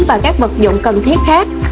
và các vật dụng cần thiết khác